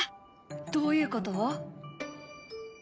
どういうこと？